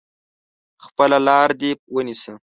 خپله لار دي ونیسه !